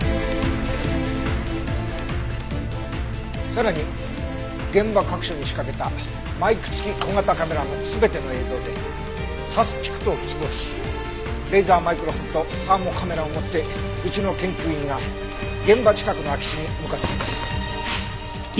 さらに現場各所に仕掛けたマイク付き小型カメラの全ての映像でサスピクトを起動しレーザーマイクロフォンとサーモカメラを持ってうちの研究員が現場近くの空き地に向かっています。